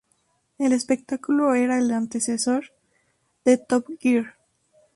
El espectáculo era el antecesor de "Top Gear.